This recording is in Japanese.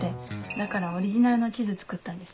だからオリジナルの地図作ったんです。